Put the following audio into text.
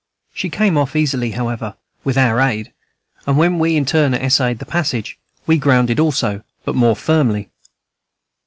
She came off easily, however, with our aid, and, when we in turn essayed the passage, we grounded also, but more firmly.